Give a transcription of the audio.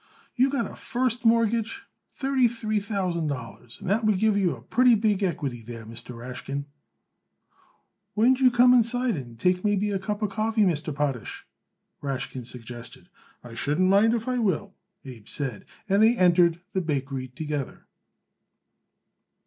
"You got a first mortgage thirty three thousand dollars, and that would give you a pretty big equity there, Mr. Rashkin." "Wouldn't you come inside and take maybe a cup of coffee, Mr. Potash?" Rashkin suggested. "I shouldn't mind if I will," Abe said; and they entered the bakery together.